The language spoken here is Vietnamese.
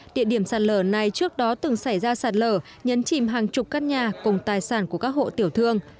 địa điểm sạt lở này trước đó từng xảy ra sạt lở nhấn chìm hàng chục căn nhà cùng tài sản của các hộ tiểu thương